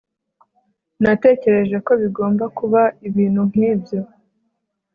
natekereje ko bigomba kuba ibintu nkibyo